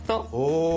お！